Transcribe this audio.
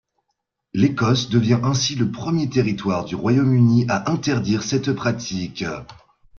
L’Écosse devient ainsi le premier territoire du Royaume-Uni à interdire cette pratique.